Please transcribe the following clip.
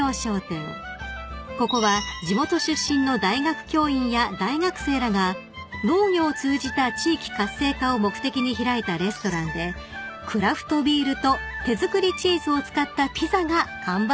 ［ここは地元出身の大学教員や大学生らが農業を通じた地域活性化を目的に開いたレストランでクラフトビールと手作りチーズを使ったピザが看板メニューです］